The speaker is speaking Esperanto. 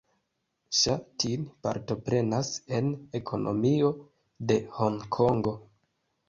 Ŝa Tin partoprenas en ekonomio de Honkongo.